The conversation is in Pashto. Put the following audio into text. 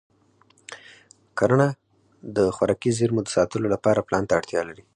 کرنه د خوراکي زېرمو د ساتلو لپاره پلان ته اړتیا لري.